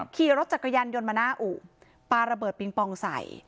ขี่รถจักรยานยนต์มาหน้าอู่ปลาระเบิดปิงปองใส่